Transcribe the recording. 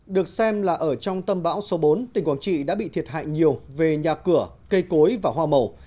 được xem là ở trong tâm bão số bốn tỉnh quảng trị đã bị thiệt hại nhiều về nhà cửa cây cối và hoa màu